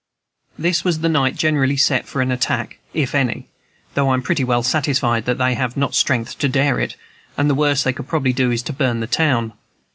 This was the night generally set for an attack, if any, though I am pretty well satisfied that they have not strength to dare it, and the worst they could probably do is to burn the town.